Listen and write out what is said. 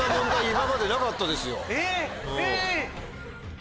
今までなかったですよ。え！